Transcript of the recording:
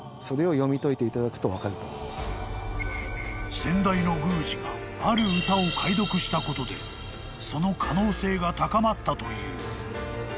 ［先代の宮司がある歌を解読したことでその可能性が高まったという］